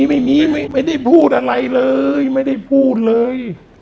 ไม่ได้พูดอะไรเลยไม่ได้พูดเลย